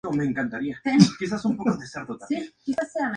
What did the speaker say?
Comenzó a cantar en el coro de la iglesia, por influencia de los padres.